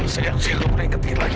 saya gak boleh ingetin lagi